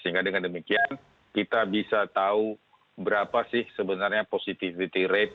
sehingga dengan demikian kita bisa tahu berapa sih sebenarnya positivity rate